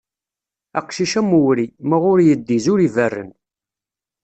Aqcic am uwri, ma ur iddiz, ur iberren.